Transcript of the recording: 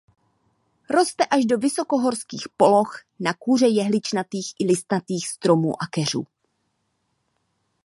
Roste až do vysokohorských poloh na kůře jehličnatých i listnatých stromů a keřů.